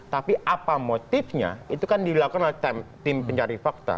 tapi apa motifnya itu kan dilakukan oleh tim pencari fakta